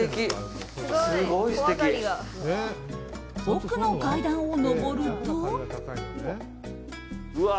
奥の階段を登ると。